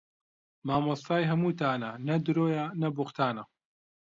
مامۆستای هەمووتانە نە درۆیە نە بووختانە